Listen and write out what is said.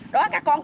đó các con